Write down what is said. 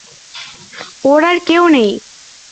ওর আর কেউ নেই।